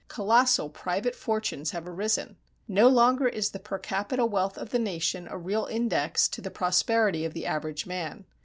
Colossal private fortunes have arisen. No longer is the per capita wealth of the nation a real index to the prosperity of the average man.